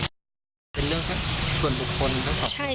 เป็นเรื่องที่ส่วนสุดมันสอบ